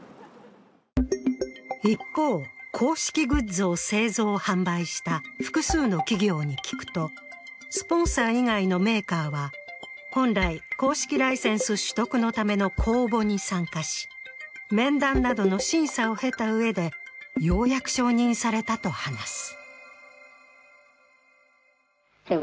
一方、公式グッズを製造・販売した複数の企業に聞くと、スポンサー以外のメーカーは本来、公式ライセンス取得のための公募に参加し面談などの審査を経たうえでようやく承認されたと話す。